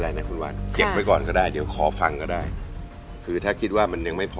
ไรนะคุณวันเก็บไปก่อนก็ได้เดี๋ยวขอฟังก็ได้คือถ้าคิดว่ามัน